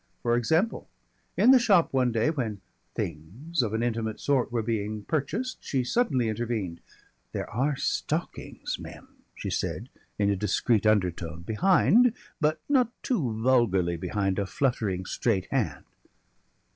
For example, in the shop one day when "things" of an intimate sort were being purchased, she suddenly intervened. "There are stockings, Mem," she said in a discreet undertone, behind, but not too vulgarly behind, a fluttering straight hand.